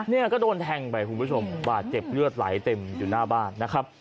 เนี่ยก็โดนแทงไปคุณผู้ชมบาดเจ็บเลือดไหลเต็มอยู่หน้าบ้านนะครับ